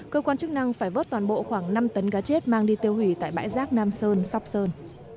cơ quan chức năng phải vớt toàn bộ khoảng năm tấn cá chết mang đi tiêu hủy tại bãi rác nam sơn sóc sơn